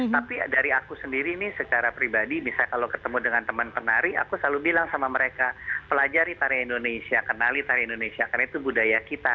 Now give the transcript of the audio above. tapi dari aku sendiri nih secara pribadi bisa kalau ketemu dengan teman penari aku selalu bilang sama mereka pelajari tari indonesia kenali tari indonesia karena itu budaya kita